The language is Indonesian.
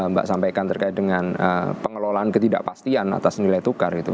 mbak sampaikan terkait dengan pengelolaan ketidakpastian atas nilai tukar gitu